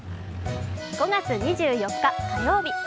５月２４日火曜日。